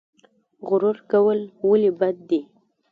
غرور کول ولې بد دي؟